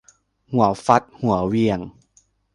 หัวฟัดหัวเหวี่ยง